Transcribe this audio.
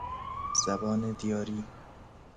زبان دیاری